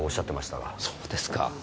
そうですか。